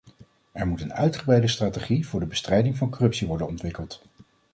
Er moet een uitgebreide strategie voor de bestrijding van corruptie worden ontwikkeld.